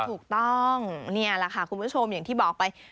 ถูกต้องนี่แหละค่ะคุณผู้ชมอย่างที่บอกไป